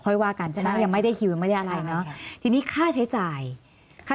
ค่อยว่ากันยังไม่ได้คิวไม่ได้อะไรเนาะที่นี้ค่าใช้จ่ายค่า